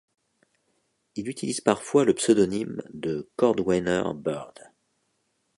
Il utilise parfois le pseudonyme de Cordwainer Bird.